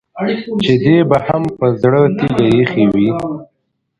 چې دې به هم په زړه تيږه اېښې وي.